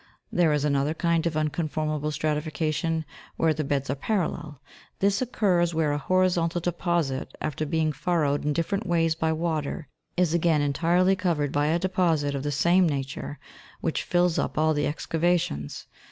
There is another kind of unconform able stratification, where the beds are parallel ; this occurs where a horizontal deposit, after having been furrowed in different ways by water, is again entirely covered by a deposit of the same nature which fills up all the excavations (Jig.